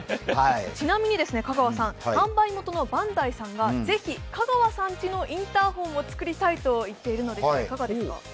ちなみに香川さん、販売元のバンダイさんがぜひ香川さん家のインターフォンをつくりたいとのことですが、何がいいですか？